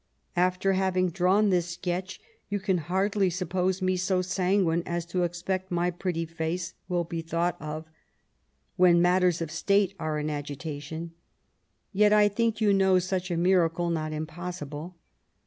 After haying drawn this sketch, you can hardly suppose me •0 sanguine as to expect my pretty face will be thought of when VISIT TO PABI8. 107 matters of State are in agitation, yet I know you think such a miracle not impossible.